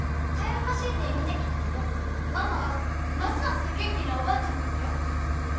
タイムマシンで見てきたけどママはますます元気なおばあちゃんだったよ。